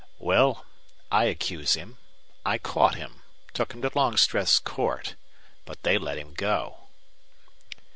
"Well, I accuse him. I caught him took him to Longstreth's court. But they let him go."